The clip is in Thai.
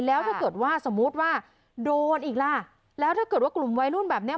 แล้วถ้าเกิดว่าสมมุติว่าโดนอีกล่ะแล้วถ้าเกิดว่ากลุ่มวัยรุ่นแบบเนี้ย